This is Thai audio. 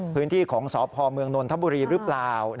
พื้นที่ของสพเมืองนนทบุรีหรือเปล่า